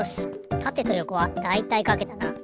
たてとよこはだいたいかけたな。